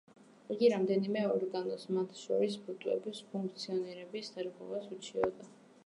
იგი რამდენიმე ორგანოს, მათ შორის ფილტვების ფუნქციონირების დარღვევას უჩიოდა.